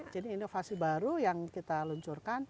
jadi inovasi baru yang kita luncurkan